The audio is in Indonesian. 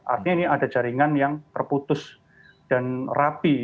artinya ini ada jaringan yang terputus dan rapi